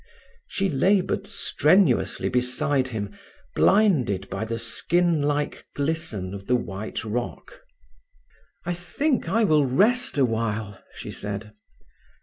She laboured strenuously beside him, blinded by the skin like glisten of the white rock. "I think I will rest awhile," she said.